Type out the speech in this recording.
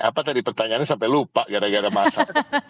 apa tadi pertanyaannya sampai lupa gara gara masa